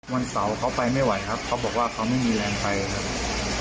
วันเสาร์เขาไปไม่ไหวครับเขาบอกว่าเขาไม่มีแรงไปครับ